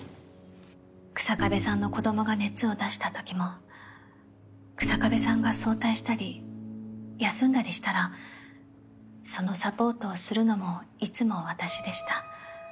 日下部さんの子供が熱を出したときも日下部さんが早退したり休んだりしたらそのサポートをするのもいつも私でした。